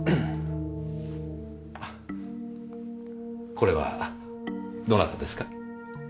これはどなたですか？